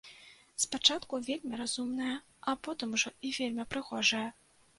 Спачатку вельмі разумная, а потым ужо і вельмі прыгожая.